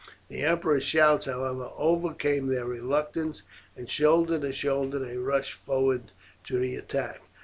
The emperor's shouts, however, overcame their reluctance, and shoulder to shoulder they rushed forward to the attack.